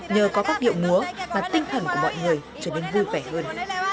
nhờ có các điệu múa mà tinh thần của mọi người trở nên vui vẻ hơn